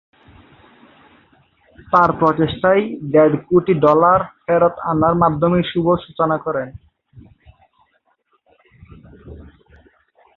তার প্রচেষ্টায় দেড় কোটি ডলার ফেরত আনার মাধ্যমে শুভ সূচনা করেন।